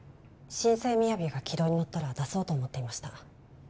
新生「ＭＩＹＡＶＩ」が軌道に乗ったら出そうと思っていました